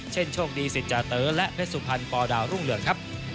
เช่นโชคดีศิษย์จาเตอร์และเพชรสุพรรณปอดาวรุ่งเหลืองครับ